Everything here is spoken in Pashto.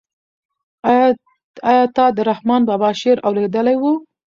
آیا تا د رحمان بابا شعر اورېدلی و؟